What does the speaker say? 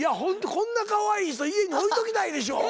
こんなかわいい人家に置いときたいでしょ！